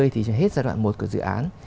thì hết giai đoạn một của dự án